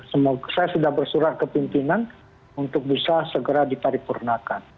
semoga saya sudah bersurah kepimpinan untuk bisa segera diparipurnakan